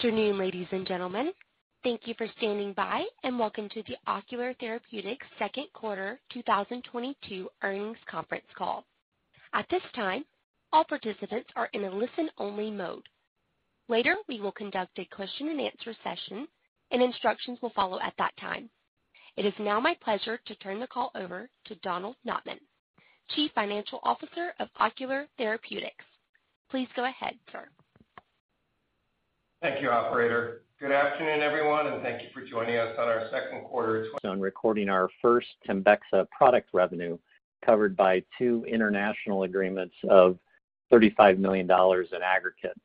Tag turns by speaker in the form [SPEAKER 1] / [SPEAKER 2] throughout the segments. [SPEAKER 1] Afternoon, ladies and gentlemen. Thank you for standing by, and welcome to the Ocular Therapeutix Second Quarter 2022 earnings conference call. At this time, all participants are in a listen-only mode. Later, we will conduct a question-and-answer session, and instructions will follow at that time. It is now my pleasure to turn the call over to Donald Notman, Chief Financial Officer of Ocular Therapeutix. Please go ahead, sir.
[SPEAKER 2] Thank you, operator. Good afternoon, everyone, and thank you for joining us on our second quarter. On recording our first TEMBEXA product revenue covered by two international agreements of $35 million in aggregate.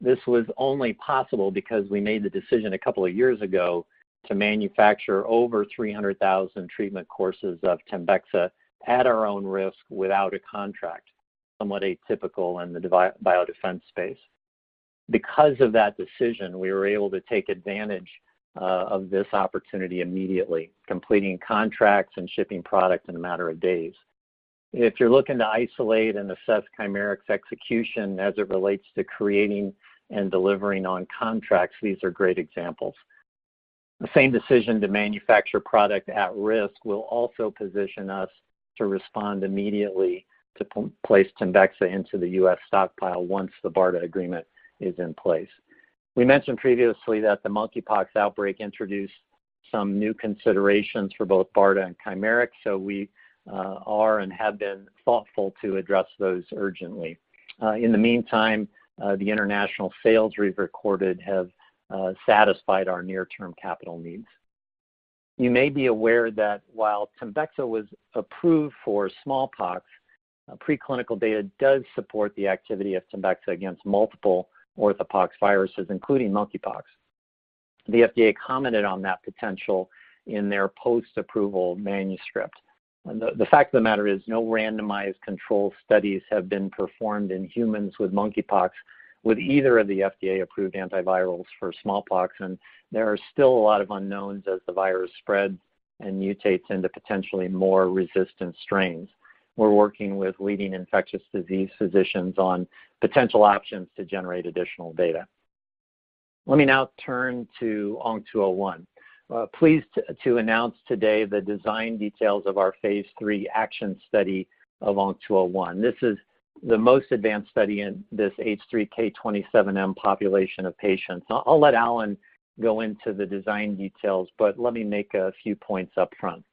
[SPEAKER 2] This was only possible because we made the decision a couple of years ago to manufacture over 300,000 treatment courses of TEMBEXA at our own risk without a contract, somewhat atypical in the biodefense space. Because of that decision, we were able to take advantage of this opportunity immediately, completing contracts and shipping product in a matter of days. If you're looking to isolate and assess Chimerix's execution as it relates to creating and delivering on contracts, these are great examples. The same decision to manufacture product at risk will also position us to respond immediately to place TEMBEXA into the U.S. stockpile once the BARDA agreement is in place. We mentioned previously that the monkeypox outbreak introduced some new considerations for both BARDA and Chimerix, so we are and have been thoughtful to address those urgently. In the meantime, the international sales we've recorded have satisfied our near-term capital needs. You may be aware that while TEMBEXA was approved for smallpox, preclinical data does support the activity of TEMBEXA against multiple orthopoxviruses, including monkeypox. The FDA commented on that potential in their post-approval manuscript. The fact of the matter is no randomized control studies have been performed in humans with monkeypox with either of the FDA-approved antivirals for smallpox, and there are still a lot of unknowns as the virus spreads and mutates into potentially more resistant strains. We're working with leading infectious disease physicians on potential options to generate additional data. Let me now turn to ONC201. Pleased to announce today the design details of our phase 3 ACTION study of ONC201. This is the most advanced study in this H3K27M population of patients. I'll let Alan go into the design details, but let me make a few points up front.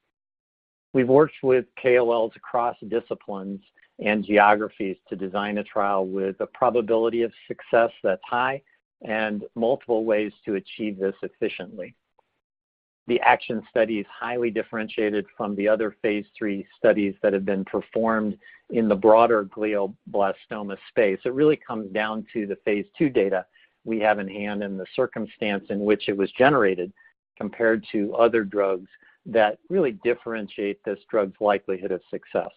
[SPEAKER 2] We've worked with KOLs across disciplines and geographies to design a trial with a probability of success that's high and multiple ways to achieve this efficiently. The ACTION study is highly differentiated from the other phase 3 studies that have been performed in the broader glioblastoma space. It really comes down to the phase 2 data we have in hand and the circumstance in which it was generated compared to other drugs that really differentiate this drug's likelihood of success.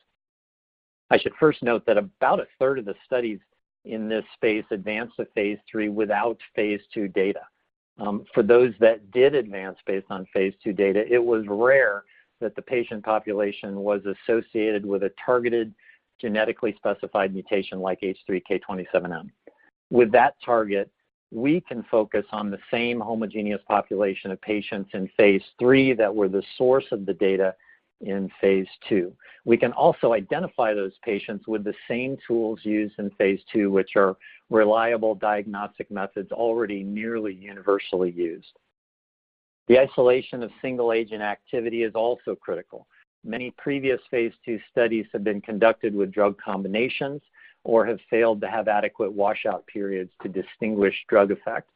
[SPEAKER 2] I should first note that about a third of the studies in this phase advance to phase 3 without phase 2 data. For those that did advance based on phase 2 data, it was rare that the patient population was associated with a targeted genetically specified mutation like H3K27M. With that target, we can focus on the same homogeneous population of patients in phase 3 that were the source of the data in phase 2. We can also identify those patients with the same tools used in phase 2, which are reliable diagnostic methods already nearly universally used. The isolation of single-agent activity is also critical. Many previous phase 2 studies have been conducted with drug combinations or have failed to have adequate washout periods to distinguish drug effects.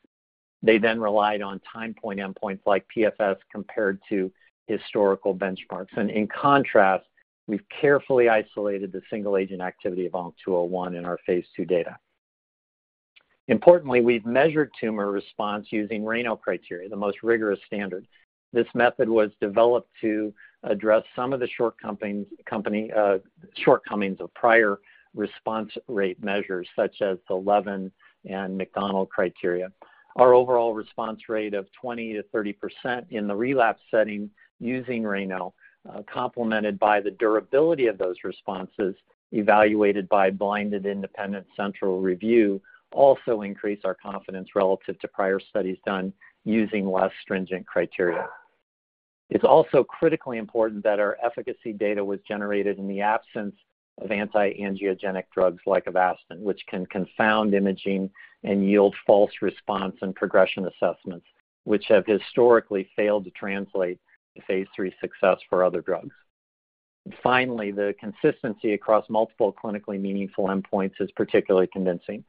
[SPEAKER 2] They then relied on time point endpoints like PFS compared to historical benchmarks. In contrast, we've carefully isolated the single-agent activity of ONC201 in our phase 2 data. Importantly, we've measured tumor response using RANO criteria, the most rigorous standard. This method was developed to address some of the shortcomings of prior response rate measures such as the Levin and Macdonald criteria. Our overall response rate of 20%-30% in the relapse setting using RANO, complemented by the durability of those responses evaluated by blinded independent central review also increase our confidence relative to prior studies done using less stringent criteria. It's also critically important that our efficacy data was generated in the absence of anti-angiogenic drugs like Avastin, which can confound imaging and yield false response and progression assessments, which have historically failed to translate to phase 3 success for other drugs. Finally, the consistency across multiple clinically meaningful endpoints is particularly convincing.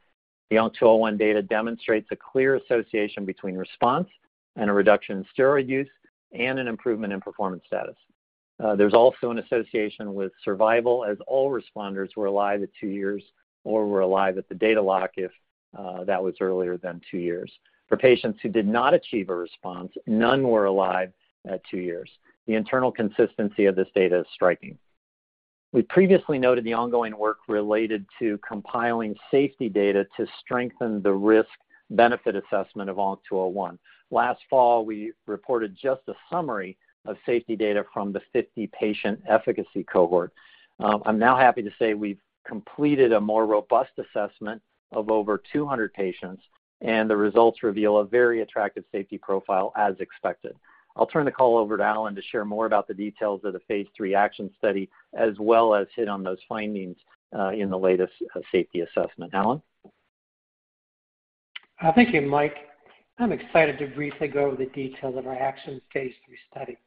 [SPEAKER 2] The ONC201 data demonstrates a clear association between response and a reduction in steroid use and an improvement in performance status. There's also an association with survival as all responders were alive at 2 years or were alive at the data lock if that was earlier than 2 years. For patients who did not achieve a response, none were alive at 2 years. The internal consistency of this data is striking. We previously noted the ongoing work related to compiling safety data to strengthen the risk-benefit assessment of ONC201. Last fall, we reported just a summary of safety data from the 50-patient efficacy cohort. I'm now happy to say we've completed a more robust assessment of over 200 patients, and the results reveal a very attractive safety profile as expected. I'll turn the call over to Alan to share more about the details of the phase 3 ACTION study, as well as hit on those findings in the latest safety assessment. Alan.
[SPEAKER 3] Thank you, Mike. I'm excited to briefly go over the details of our ACTION phase 3 study.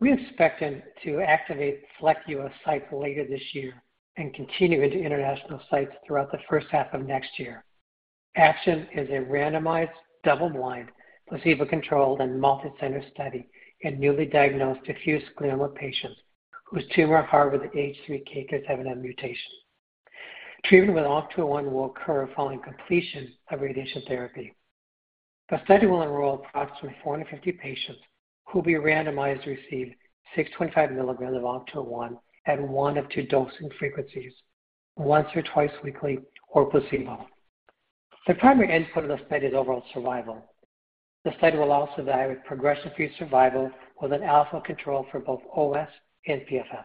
[SPEAKER 3] We expect them to activate select US sites later this year and continue into international sites throughout the first half of next year. ACTION is a randomized, double-blind, placebo-controlled, and multicenter study in newly diagnosed diffuse glioma patients whose tumor harbor the H3K27M mutation. Treatment with ONC201 will occur following completion of radiation therapy. The study will enroll approximately 450 patients who will be randomized to receive 625 milligrams of ONC201 at one of two dosing frequencies, once or twice weekly or placebo. The primary endpoint of the study is overall survival. The study will also evaluate progression-free survival with an alpha control for both OS and PFS.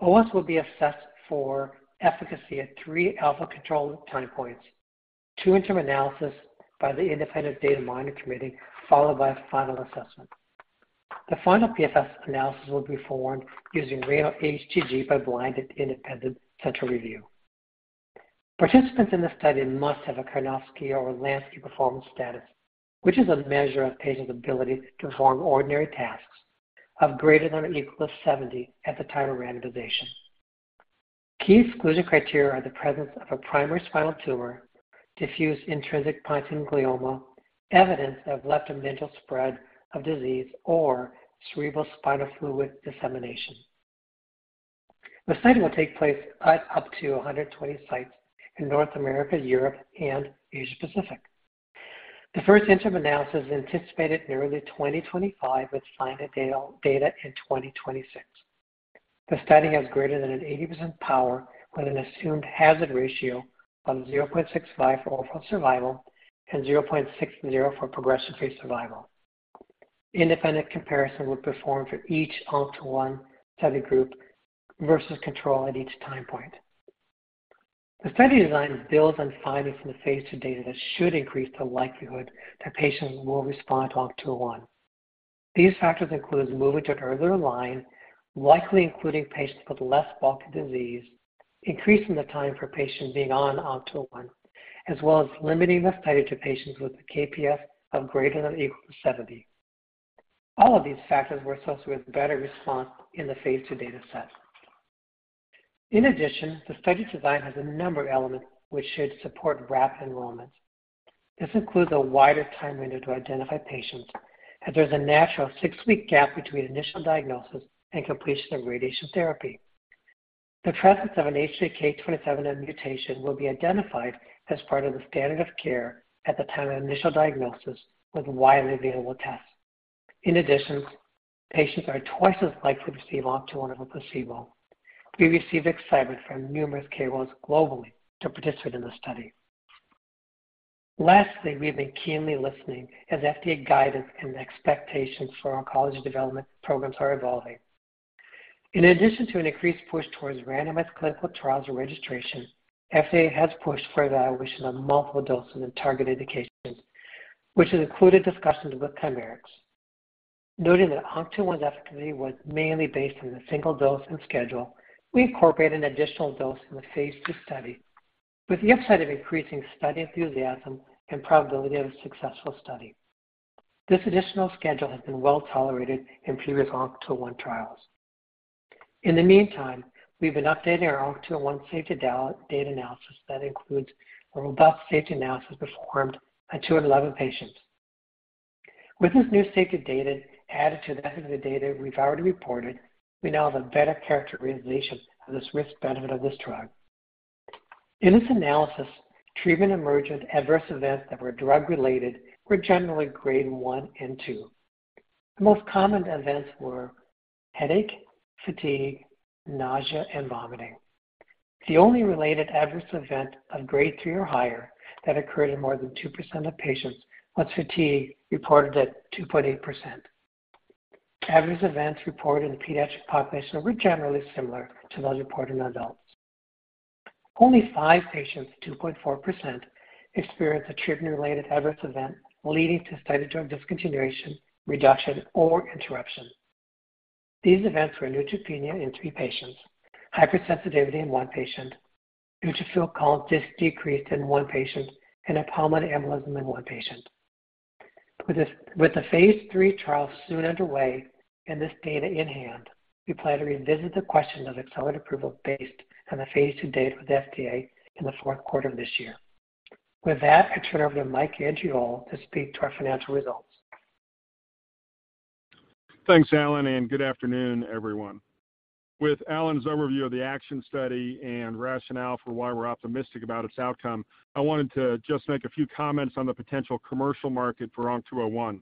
[SPEAKER 3] OS will be assessed for efficacy at 3 alpha control time points, 2 interim analysis by the independent data monitoring committee, followed by a final assessment. The final PFS analysis will be performed using RANO-HGG by blinded independent central review. Participants in the study must have a Karnofsky or Lansky performance status, which is a measure of patient's ability to perform ordinary tasks of greater than or equal to 70 at the time of randomization. Key exclusion criteria are the presence of a primary spinal tumor, diffuse intrinsic pontine glioma, evidence of leptomeningeal spread of disease, or cerebrospinal fluid dissemination. The study will take place at up to 120 sites in North America, Europe, and Asia Pacific. The first interim analysis is anticipated in early 2025 with final data in 2026. The study has greater than an 80% power with an assumed hazard ratio of 0.65 for overall survival and 0.60 for progression-free survival. Independent comparison will perform for each ONC201 study group versus control at each time point. The study design builds on findings from the phase 2 data that should increase the likelihood that patients will respond to ONC201. These factors include moving to an earlier line, likely including patients with less bulky disease, increasing the time for patients being on ONC201, as well as limiting the study to patients with a KPS of greater than or equal to 70. All of these factors were associated with better response in the phase 2 dataset. In addition, the study design has a number of elements which should support rapid enrollment. This includes a wider time window to identify patients, as there's a natural 6-week gap between initial diagnosis and completion of radiation therapy. The presence of an H3K27M mutation will be identified as part of the standard of care at the time of initial diagnosis with widely available tests. In addition, patients are twice as likely to receive ONC201 over placebo. We receive excitement from numerous KOLs globally to participate in the study. Lastly, we've been keenly listening as FDA guidance and expectations for oncology development programs are evolving. In addition to an increased push towards randomized clinical trials and registration, FDA has pushed for evaluation of multiple dosing and target indications, which has included discussions with Chimerix. Noting that ONC201's efficacy was mainly based on the single dose and schedule, we incorporate an additional dose in the phase 2 study with the upside of increasing study enthusiasm and probability of a successful study. This additional schedule has been well-tolerated in previous ONC201 trials. In the meantime, we've been updating our ONC201 safety data analysis that includes a robust safety analysis performed by 211 patients. With this new safety data added to the efficacy data we've already reported, we now have a better characterization of this risk benefit of this drug. In this analysis, treatment-emergent adverse events that were drug-related were generally grade 1 and 2. The most common events were headache, fatigue, nausea, and vomiting. The only related adverse event of grade 3 or higher that occurred in more than 2% of patients was fatigue, reported at 2.8%. Adverse events reported in the pediatric population were generally similar to those reported in adults. Only five patients, 2.4%, experienced a treatment-related adverse event leading to study drug discontinuation, reduction, or interruption. These events were neutropenia in three patients, hypersensitivity in one patient, neutrophil count decreased in one patient, and a pulmonary embolism in one patient. With the phase 3 trial soon underway and this data in-hand, we plan to revisit the question of accelerated approval based on the phase 2 data with FDA in the fourth quarter of this year. With that, I turn it over to Michael Andriole to speak to our financial results.
[SPEAKER 4] Thanks, Alan, and good afternoon, everyone. With Alan's overview of the ACTION study and rationale for why we're optimistic about its outcome, I wanted to just make a few comments on the potential commercial market for ONC201.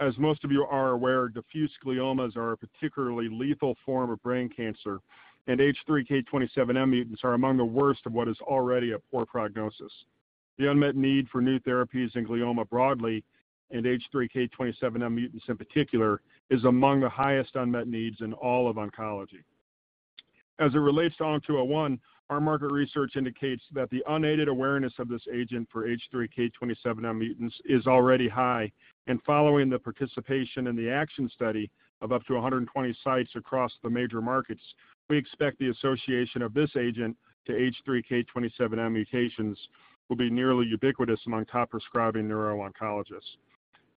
[SPEAKER 4] As most of you are aware, diffuse gliomas are a particularly lethal form of brain cancer, and H3K27M mutants are among the worst of what is already a poor prognosis. The unmet need for new therapies in glioma broadly, and H3K27M mutants in particular, is among the highest unmet needs in all of oncology. As it relates to ONC201, our market research indicates that the unaided awareness of this agent for H3K27M mutants is already high. Following the participation in the ACTION study of up to 120 sites across the major markets, we expect the association of this agent to H3K27M mutations will be nearly ubiquitous among top prescribing neuro-oncologists.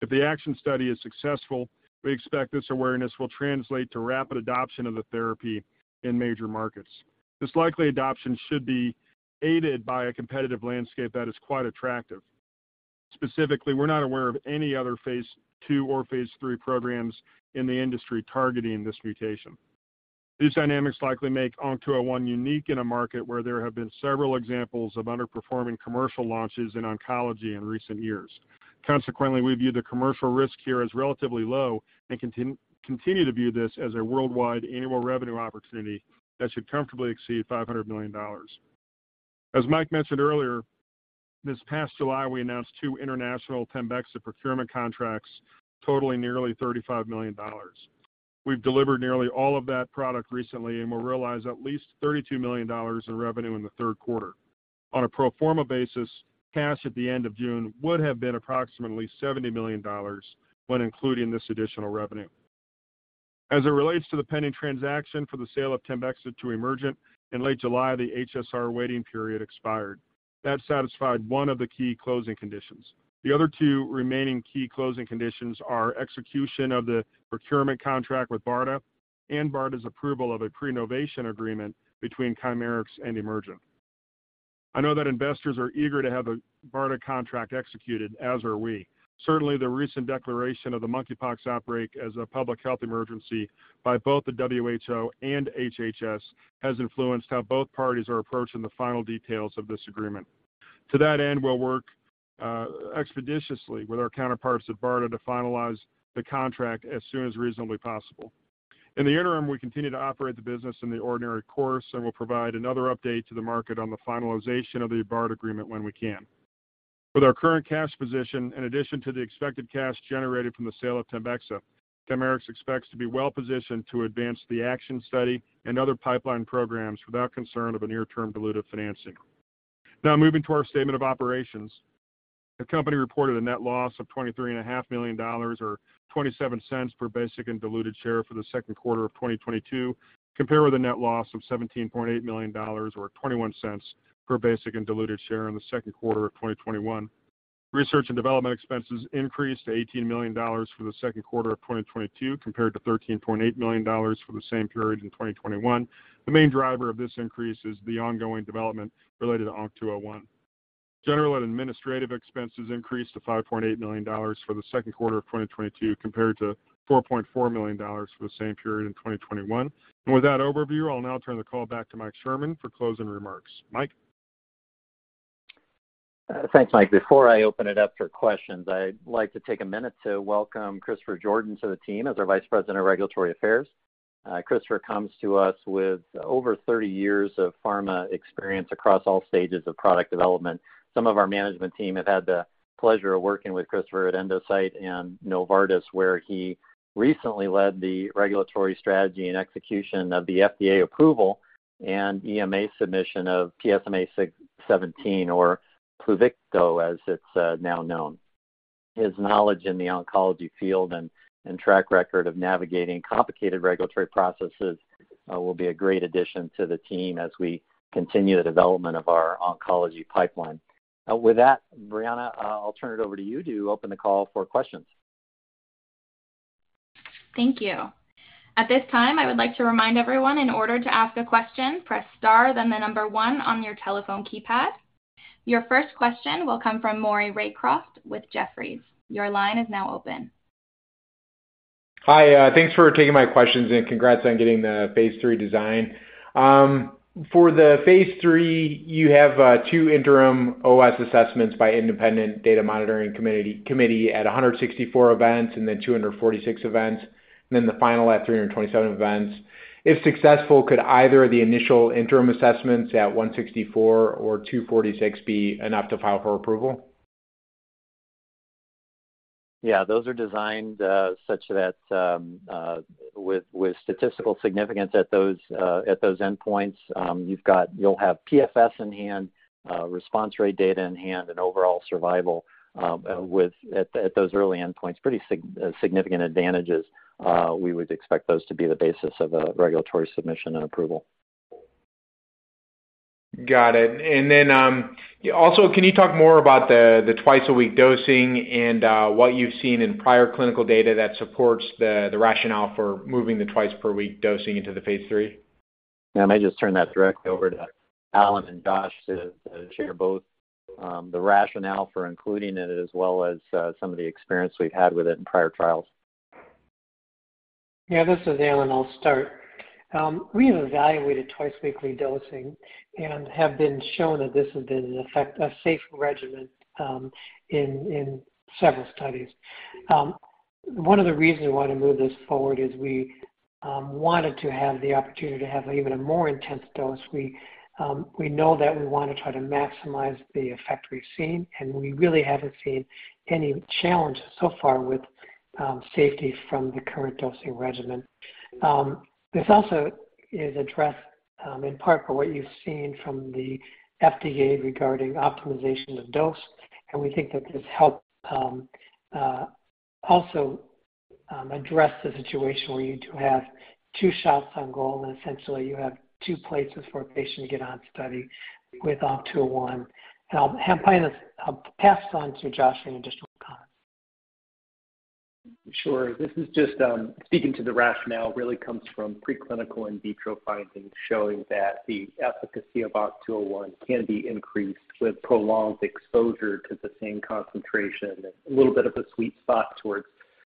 [SPEAKER 4] If the ACTION study is successful, we expect this awareness will translate to rapid adoption of the therapy in major markets. This likely adoption should be aided by a competitive landscape that is quite attractive. Specifically, we're not aware of any other phase two or phase three programs in the industry targeting this mutation. These dynamics likely make ONC201 unique in a market where there have been several examples of underperforming commercial launches in oncology in recent years. Consequently, we view the commercial risk here as relatively low and continue to view this as a worldwide annual revenue opportunity that should comfortably exceed $500 million. As Mike mentioned earlier, this past July, we announced two international TEMBEXA procurement contracts totaling nearly $35 million. We've delivered nearly all of that product recently, and we'll realize at least $32 million in revenue in the third quarter. On a pro forma basis, cash at the end of June would have been approximately $70 million when including this additional revenue. As it relates to the pending transaction for the sale of TEMBEXA to Emergent, in late July, the HSR waiting period expired. That satisfied one of the key closing conditions. The other two remaining key closing conditions are execution of the procurement contract with BARDA and BARDA's approval of a pre-novation agreement between Chimerix and Emergent. I know that investors are eager to have a BARDA contract executed, as are we. Certainly, the recent declaration of the monkeypox outbreak as a public health emergency by both the WHO and HHS has influenced how both parties are approaching the final details of this agreement. To that end, we'll work expeditiously with our counterparts at BARDA to finalize the contract as soon as reasonably possible. In the interim, we continue to operate the business in the ordinary course, and we'll provide another update to the market on the finalization of the BARDA agreement when we can. With our current cash position, in addition to the expected cash generated from the sale of TEMBEXA, Chimerix expects to be well-positioned to advance the ACTION study and other pipeline programs without concern of a near-term dilutive financing. Now moving to our statement of operations. The company reported a net loss of $23.5 million or $0.27 per basic and diluted share for the second quarter of 2022, compared with a net loss of $17.8 million or $0.21 per basic and diluted share in the second quarter of 2021. Research and development expenses increased to $18 million for the second quarter of 2022 compared to $13.8 million for the same period in 2021. The main driver of this increase is the ongoing development related to ONC201. General and administrative expenses increased to $5.8 million for the second quarter of 2022 compared to $4.4 million for the same period in 2021. With that overview, I'll now turn the call back to Mike Sherman for closing remarks. Mike?
[SPEAKER 2] Thanks, Mike. Before I open it up for questions, I'd like to take a minute to welcome Christopher Jordan to the team as our Vice President of Regulatory Affairs. Christopher comes to us with over 30 years of pharma experience across all stages of product development. Some of our management team have had the pleasure of working with Christopher at Endocyte and Novartis, where he recently led the regulatory strategy and execution of the FDA approval and EMA submission of PSMA-617 or Pluvicto, as it's now known. His knowledge in the oncology field and track record of navigating complicated regulatory processes will be a great addition to the team as we continue the development of our oncology pipeline. With that, Brianna, I'll turn it over to you to open the call for questions.
[SPEAKER 1] Thank you. At this time, I would like to remind everyone in order to ask a question, press star, then the number one on your telephone keypad. Your first question will come from Maury Raycroft with Jefferies. Your line is now open.
[SPEAKER 5] Hi, thanks for taking my questions, and congrats on getting the phase 3 design. For the phase 3, you have two interim OS assessments by independent data monitoring committee at 164 events and then 246 events, and then the final at 327 events. If successful, could either of the initial interim assessments at 164 or 246 be enough to file for approval?
[SPEAKER 2] Yeah. Those are designed such that with statistical significance at those endpoints. You'll have PFS in hand, response rate data in hand, and overall survival with at those early endpoints, pretty significant advantages. We would expect those to be the basis of a regulatory submission and approval.
[SPEAKER 5] Got it. Also, can you talk more about the twice-a-week dosing and what you've seen in prior clinical data that supports the rationale for moving the twice per week dosing into the phase 3?
[SPEAKER 2] Yeah. I might just turn that directly over to Alan and Josh to share both, the rationale for including it, as well as, some of the experience we've had with it in prior trials.
[SPEAKER 3] Yeah, this is Alan. I'll start. We have evaluated twice-weekly dosing and have shown that this has been an effective and safe regimen in several studies. One of the reasons we wanna move this forward is we wanted to have the opportunity to have even a more intense dose. We know that we wanna try to maximize the effect we've seen, and we really haven't seen any challenge so far with safety from the current dosing regimen. This also is addressed in part for what you've seen from the FDA regarding optimization of dose, and we think that this helps also address the situation where you do have two shots on goal and essentially you have two places for a patient to get on study with ONC201. Finally, I'll pass it on to Josh for any additional comments.
[SPEAKER 6] Sure. This is just speaking to the rationale. It really comes from preclinical in vitro findings showing that the efficacy of ONC201 can be increased with prolonged exposure to the same concentration. There is a little bit of a sweet spot towards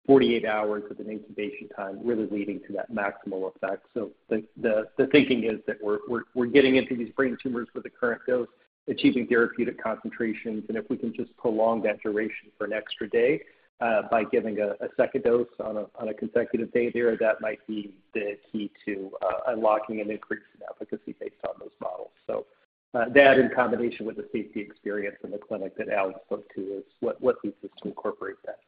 [SPEAKER 6] 48 hours of an incubation time, really leading to that maximal effect. The thinking is that we're getting into these brain tumors with the current dose, achieving therapeutic concentrations, and if we can just prolong that duration for an extra day by giving a second dose on a consecutive day there, that might be the key to unlocking an increased efficacy based on those models. That in combination with the safety experience in the clinic that Alan spoke to is what leads us to incorporate that.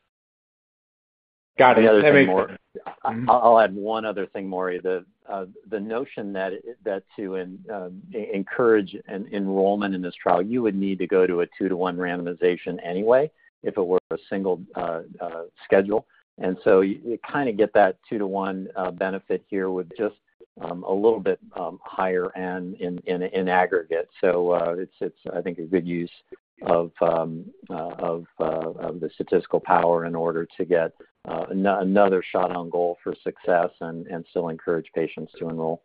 [SPEAKER 5] Got it. That makes sense.
[SPEAKER 2] The other thing, Maury. I'll add one other thing, Maury. The notion that to encourage an enrollment in this trial, you would need to go to a two-to-one randomization anyway if it were a single schedule. You kinda get that two-to-one benefit here with just a little bit higher end in aggregate. It's, I think, a good use of the statistical power in order to get another shot on goal for success and still encourage patients to enroll.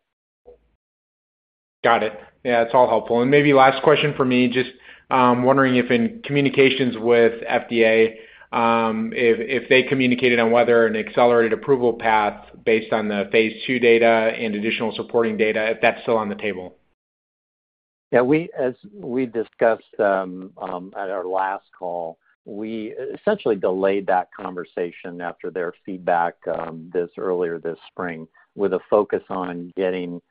[SPEAKER 5] Got it. Yeah, it's all helpful. Maybe last question from me. Just wondering if in communications with FDA, if they communicated on whether an accelerated approval path based on the phase 2 data and additional supporting data, if that's still on the table.
[SPEAKER 2] Yeah, as we discussed at our last call, we essentially delayed that conversation after their feedback earlier this spring with a focus on getting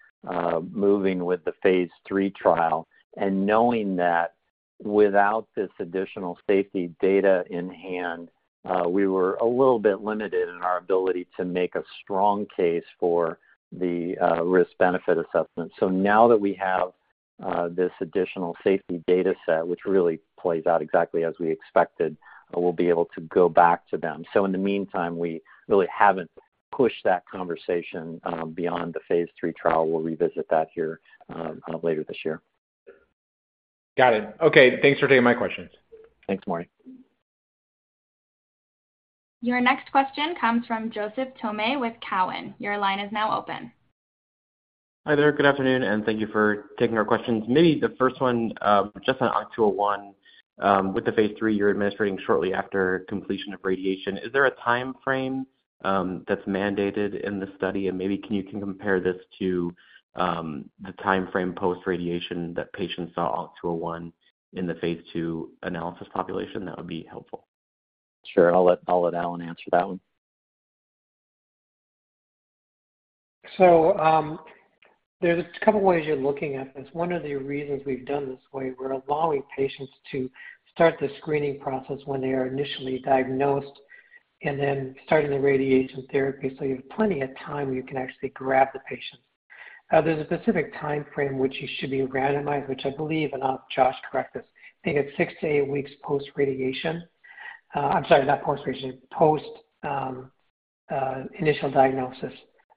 [SPEAKER 2] moving with the phase 3 trial and knowing that without this additional safety data in hand, we were a little bit limited in our ability to make a strong case for the risk-benefit assessment. Now that we have this additional safety data set, which really plays out exactly as we expected, we'll be able to go back to them. In the meantime, we really haven't pushed that conversation beyond the phase 3 trial. We'll revisit that here kind of later this year.
[SPEAKER 5] Got it. Okay. Thanks for taking my questions.
[SPEAKER 2] Thanks, Maury.
[SPEAKER 1] Your next question comes from Joseph Thome with Cowen. Your line is now open.
[SPEAKER 7] Hi there. Good afternoon, and thank you for taking our questions. Maybe the first one, just on ONC201. With the phase 3, you're administering shortly after completion of radiation. Is there a timeframe that's mandated in the study? Maybe can you compare this to the timeframe post-radiation that patients saw ONC201 in the phase 2 analysis population? That would be helpful.
[SPEAKER 2] Sure. I'll let Alan answer that one.
[SPEAKER 3] There are a couple ways you're looking at this. One of the reasons we've done this way, we're allowing patients to start the screening process when they are initially diagnosed and then starting the radiation therapy so you have plenty of time you can actually grab the patients. There's a specific timeframe which you should be randomized, which I believe, and I'll have Josh correct this. I think it's 6-8 weeks post-radiation. I'm sorry, not post-radiation. Post initial diagnosis.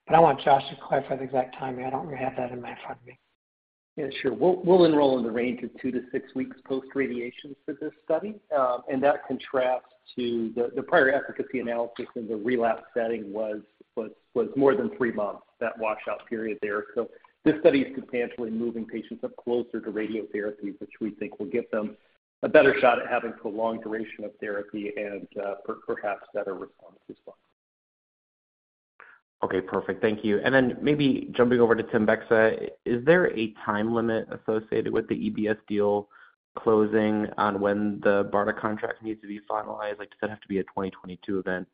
[SPEAKER 3] I want Josh to clarify the exact timing. I don't have that in front of me. Yeah, sure. We'll enroll in the range of 2-6 weeks post-radiation for this study. That contrasts to the prior efficacy analysis in the relapse setting, which was more than 3 months, that washout period there. This study is substantially moving patients up closer to radiotherapy, which we think will give them a better shot at having prolonged duration of therapy and perhaps better response as well.
[SPEAKER 7] Okay, perfect. Thank you. Maybe jumping over to TEMBEXA. Is there a time limit associated with the EBS deal closing on when the BARDA contract needs to be finalized? Like, does that have to be a 2022 event?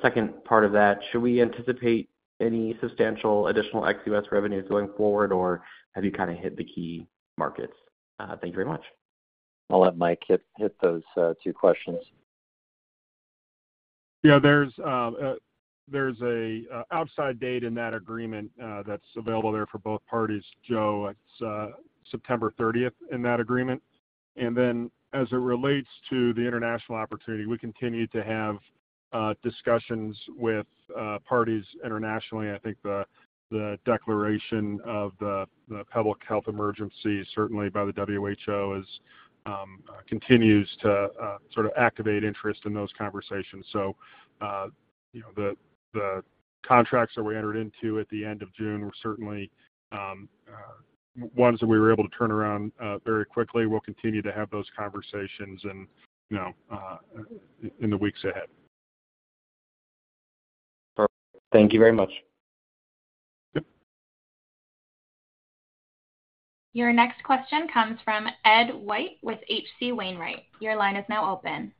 [SPEAKER 7] Second part of that, should we anticipate any substantial additional ex-US revenues going forward, or have you kind of hit the key markets? Thank you very much.
[SPEAKER 2] I'll let Mike hit those two questions.
[SPEAKER 4] Yeah, there's an outside date in that agreement that's available there for both parties, Joe. It's September thirtieth in that agreement. As it relates to the international opportunity, we continue to have discussions with parties internationally. I think the declaration of the public health emergency certainly by the WHO continues to sort of activate interest in those conversations. You know, the contracts that we entered into at the end of June were certainly ones that we were able to turn around very quickly. We'll continue to have those conversations and, you know, in the weeks ahead.
[SPEAKER 7] Perfect. Thank you very much.
[SPEAKER 4] Yep.
[SPEAKER 1] Your next question comes from Edward White with H.C. Wainwright. Your line is now open.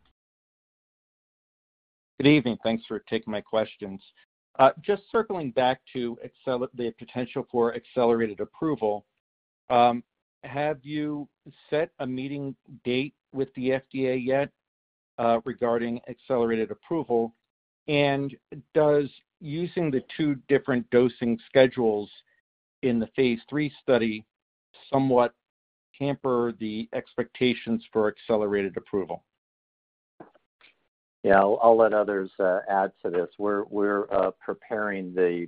[SPEAKER 8] Good evening. Thanks for taking my questions. Just circling back to the potential for accelerated approval, have you set a meeting date with the FDA yet, regarding accelerated approval? Does using the two different dosing schedules in the phase 3 study somewhat hamper the expectations for accelerated approval?
[SPEAKER 2] Yeah. I'll let others add to this. We're preparing the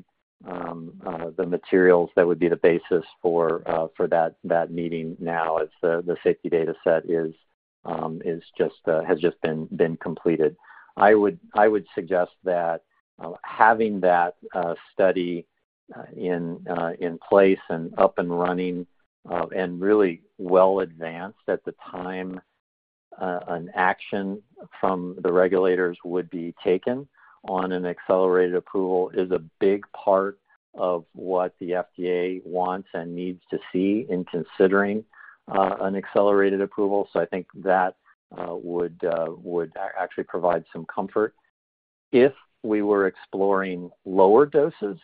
[SPEAKER 2] materials that would be the basis for that meeting now as the safety data set has just been completed. I would suggest that having that study in place and up and running and really well advanced at the time an action from the regulators would be taken on an accelerated approval is a big part of what the FDA wants and needs to see in considering an accelerated approval. I think that would actually provide some comfort. If we were exploring lower doses,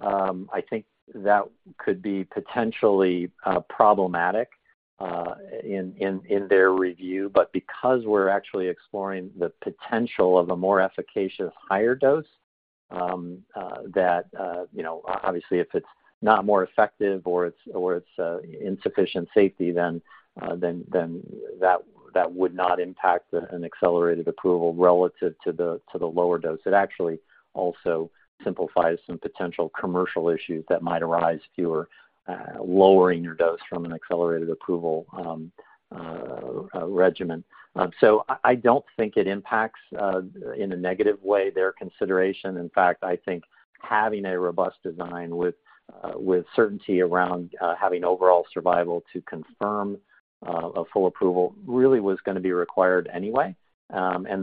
[SPEAKER 2] I think that could be potentially problematic in their review. Because we're actually exploring the potential of a more efficacious higher dose, that you know, obviously if it's not more effective or it's insufficient safety, then that would not impact than an accelerated approval relative to the lower dose. It actually also simplifies some potential commercial issues that might arise if you were lowering your dose from an accelerated approval regimen. So I don't think it impacts in a negative way their consideration. In fact, I think having a robust design with certainty around having overall survival to confirm a full approval really was gonna be required anyway.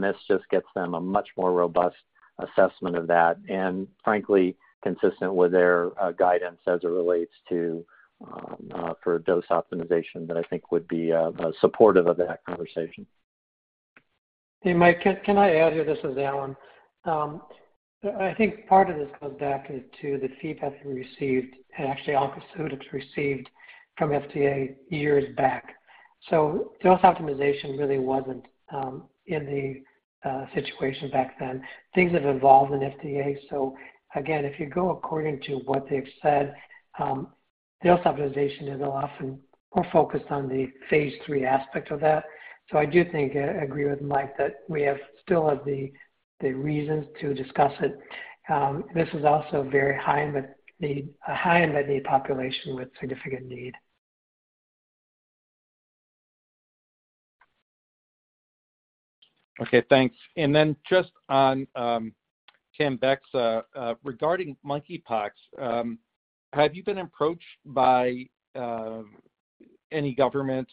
[SPEAKER 2] This just gets them a much more robust assessment of that, and frankly, consistent with their guidance as it relates to for dose optimization that I think would be supportive of that conversation.
[SPEAKER 3] Hey, Mike, can I add here? This is Alan. I think part of this goes back to the feedback we received, and actually all Casodex received from FDA years back. Dose optimization really wasn't in the situation back then. Things have evolved in FDA, so again, if you go according to what they've said, dose optimization is often more focused on the phase 3 aspect of that. I do think agree with Mike that we still have the reasons to discuss it. This is also a very high unmet need population with significant need.
[SPEAKER 8] Okay, thanks. Then just on TEMBEXA, regarding monkeypox, have you been approached by any government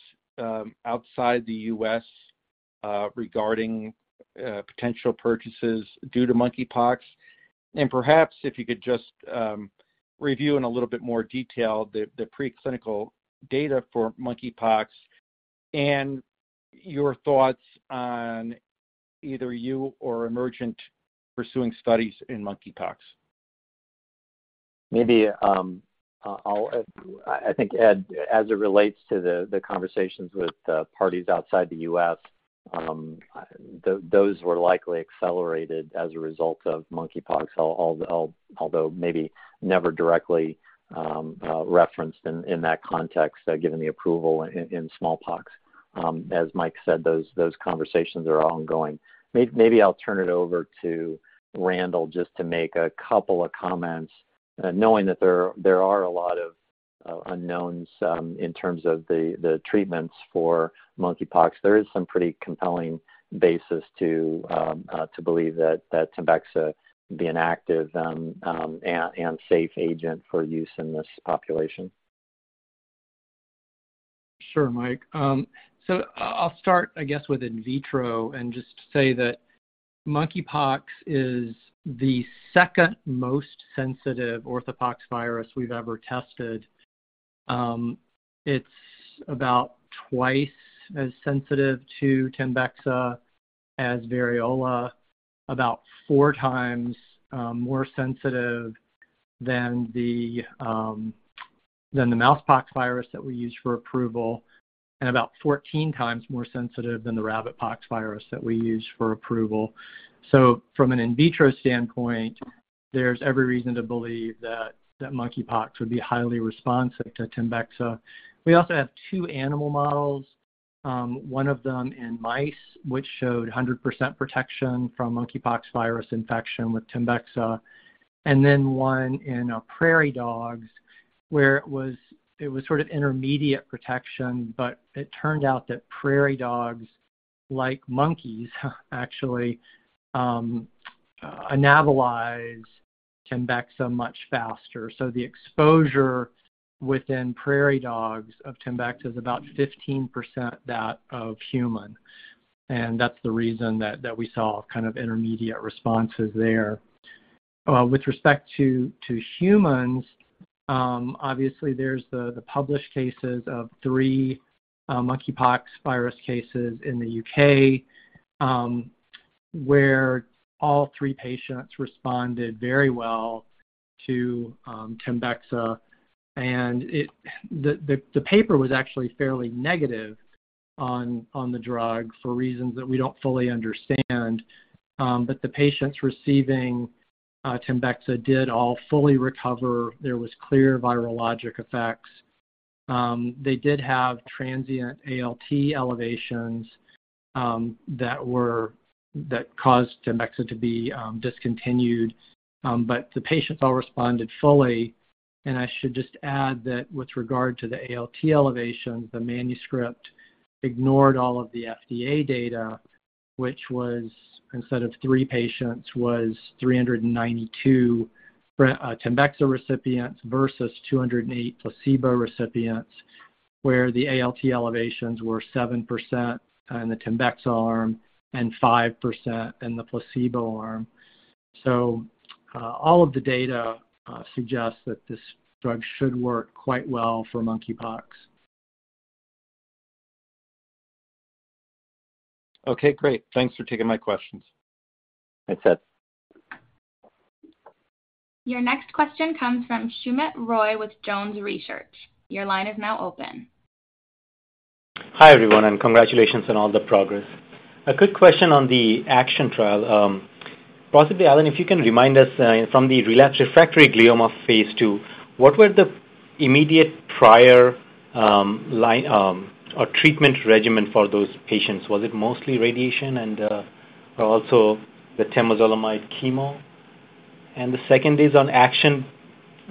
[SPEAKER 8] outside the U.S. regarding potential purchases due to monkeypox? Perhaps if you could just review in a little bit more detail the preclinical data for monkeypox and your thoughts on either you or Emergent pursuing studies in monkeypox.
[SPEAKER 2] I think, Ed, as it relates to the conversations with parties outside the U.S., those were likely accelerated as a result of monkeypox, although maybe never directly referenced in that context, given the approval in smallpox. As Mike said, those conversations are ongoing. Maybe I'll turn it over to Randall just to make a couple of comments, knowing that there are a lot of unknowns in terms of the treatments for monkeypox. There is some pretty compelling basis to believe that TEMBEXA be an active and safe agent for use in this population.
[SPEAKER 9] Sure, Mike. I'll start, I guess, with in vitro and just say that monkeypox is the second most sensitive orthopoxvirus we've ever tested. It's about twice as sensitive to Tembexa as variola, about four times more sensitive than the mousespox virus that we use for approval, and about 14 times more sensitive than the rabbitpox virus that we use for approval. From an in vitro standpoint, there's every reason to believe that monkeypox would be highly responsive to Tembexa. We also have two animal models, one of them in mice, which showed 100% protection from monkeypox virus infection with Tembexa, and then one in prairie dogs, where it was sort of intermediate protection, but it turned out that prairie dogs, like monkeys, actually analyze Tembexa much faster. The exposure within prairie dogs of TEMBEXA is about 15% that of human. That's the reason that we saw kind of intermediate responses there. With respect to humans, obviously, there's the published cases of 3 monkeypox virus cases in the U.K., where all 3 patients responded very well to TEMBEXA. The paper was actually fairly negative on the drug for reasons that we don't fully understand. The patients receiving TEMBEXA did all fully recover. There was clear virologic effects. They did have transient ALT elevations that caused TEMBEXA to be discontinued. The patients all responded fully. I should just add that with regard to the ALT elevations, the manuscript ignored all of the FDA data, which was instead of 3 patients was 392 TEMBEXA recipients versus 208 placebo recipients, where the ALT elevations were 7% in the TEMBEXA arm and 5% in the placebo arm. All of the data suggests that this drug should work quite well for monkeypox.
[SPEAKER 8] Okay, great. Thanks for taking my questions.
[SPEAKER 2] That's it.
[SPEAKER 1] Your next question comes from Sumit Roy with JonesTrading. Your line is now open.
[SPEAKER 10] Hi, everyone, and congratulations on all the progress. A quick question on the ACTION trial. Possibly, Alan, if you can remind us from the relapsed refractory glioma phase 2, what were the immediate prior line or treatment regimen for those patients? Was it mostly radiation and also the temozolomide chemo? The second is on ACTION,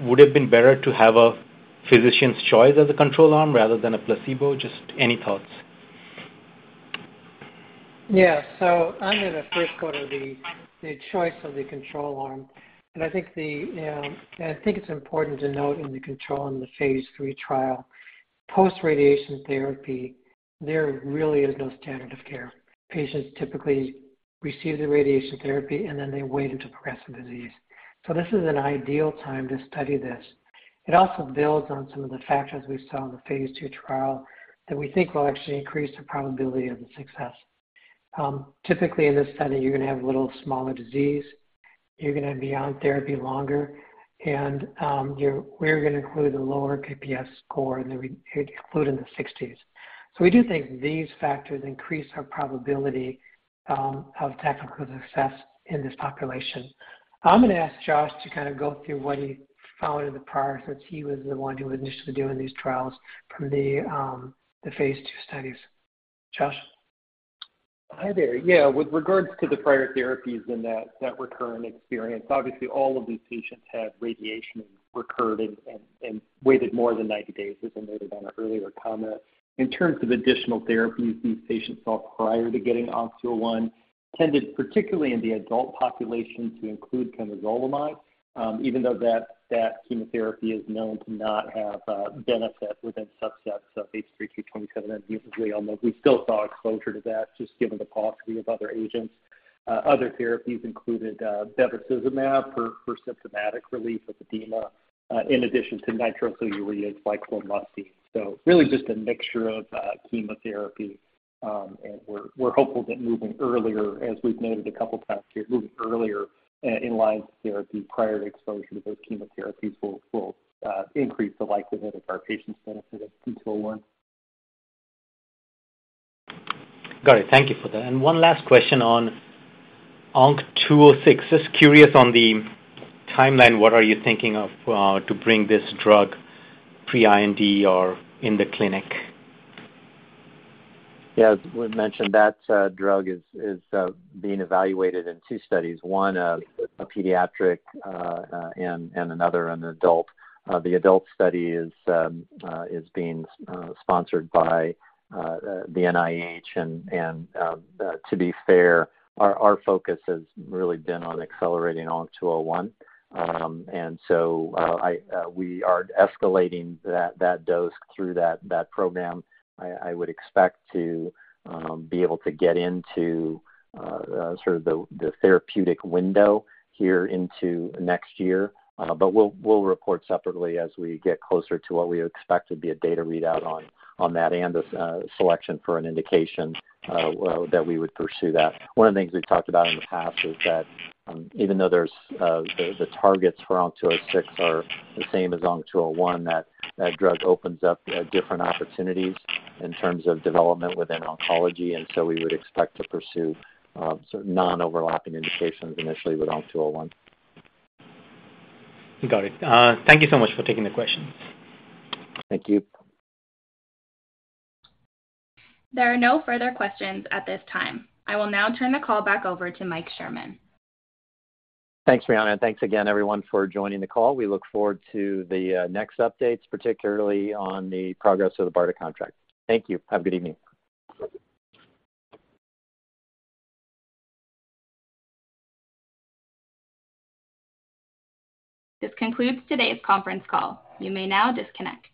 [SPEAKER 10] would it have been better to have a physician's choice as a control arm rather than a placebo? Just any thoughts.
[SPEAKER 3] Yeah. I'm gonna first go to the choice of the control arm. I think it's important to note in the control arm of the phase 3 trial, post-radiation therapy, there really is no standard of care. Patients typically receive the radiation therapy, and then they wait until progressive disease. This is an ideal time to study this. It also builds on some of the factors we saw in the phase 2 trial that we think will actually increase the probability of the success. Typically in this study, you're gonna have a little smaller disease, you're gonna be on therapy longer, and we're gonna include a lower KPS score in the range including the sixties. We do think these factors increase our probability of technical success in this population. I'm going to ask Josh to kind of go through what he found in the prior, since he was the one who was initially doing these trials from the phase two studies. Josh?
[SPEAKER 6] Hi there. Yeah, with regards to the prior therapies in that recurrent experience, obviously all of these patients had radiation and recurred and waited more than 90 days, as I noted on an earlier comment. In terms of additional therapies, these patients all prior to getting ONC201 tended, particularly in the adult population, to include temozolomide. Even though that chemotherapy is known to not have benefit within subsets of H3K27M mutant glioma. We still saw exposure to that just given the paucity of other agents. Other therapies included bevacizumab for symptomatic relief of edema, in addition to nitrosoureas like lomustine. Really just a mixture of chemotherapy. We're hopeful that moving earlier, as we've noted a couple times here, moving earlier in-line therapy prior to exposure to those chemotherapies will increase the likelihood of our patients benefiting from two-oh-one.
[SPEAKER 10] Got it. Thank you for that. One last question on ONC206. Just curious on the timeline, what are you thinking of, to bring this drug pre-IND or in the clinic?
[SPEAKER 6] Yeah. As we mentioned, that drug is being evaluated in two studies, one a pediatric and another an adult. The adult study is being sponsored by the NIH and, to be fair, our focus has really been on accelerating ONC201. We are escalating that dose through that program. I would expect to be able to get into sort of the therapeutic window here into next year. We'll report separately as we get closer to what we expect to be a data readout on that and a selection for an indication that we would pursue that. One of the things we've talked about in the past is that, even though there's the targets for ONC206 are the same as ONC201, that drug opens up different opportunities in terms of development within oncology, and so we would expect to pursue sort of non-overlapping indications initially with ONC201.
[SPEAKER 10] Got it. Thank you so much for taking the questions.
[SPEAKER 6] Thank you.
[SPEAKER 1] There are no further questions at this time. I will now turn the call back over to Mike Sherman.
[SPEAKER 2] Thanks, Brianna. Thanks again, everyone, for joining the call. We look forward to the next updates, particularly on the progress of the BARDA contract. Thank you. Have a good evening.
[SPEAKER 1] This concludes today's conference call. You may now disconnect.